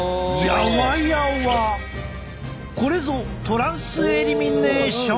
これぞトランスエリミネーション！